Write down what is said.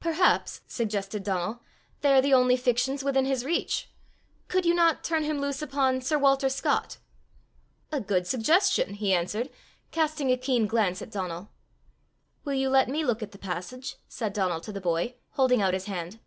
"Perhaps," suggested Donal, "they are the only fictions within his reach! Could you not turn him loose upon sir Walter Scott?" "A good suggestion!" he answered, casting a keen glance at Donal. "Will you let me look at the passage?" said Donal to the boy, holding out his hand.